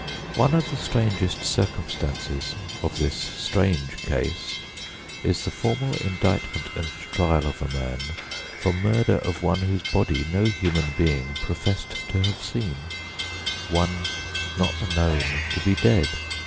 One of the strangest circumstances of this strange case is the formal indictment and trial of a man for murder of one whose body no human being professed to have seen—one not known to be dead.